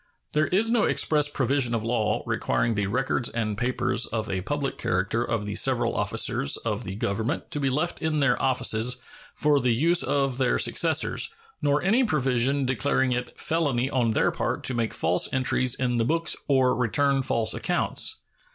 There is no express provision of law requiring the records and papers of a public character of the several officers of the Government to be left in their offices for the use of their successors, nor any provision declaring it felony on their part to make false entries in the books or return false accounts.